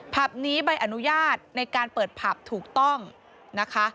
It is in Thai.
ผับนี้ใบอนุญาตในการเปิดผับถูกต้องนะคะ